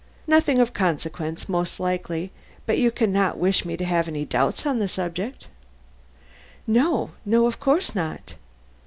"Nothing of consequence, most likely, but you can not wish me to have any doubts on the subject." "No, no, of course not."